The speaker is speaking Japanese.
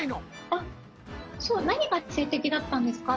あっそう何が性的だったんですか？